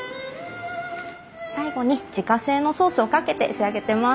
最後に自家製のソースをかけて仕上げてます。